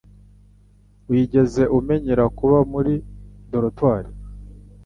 Wigeze umenyera kuba muri dortoir?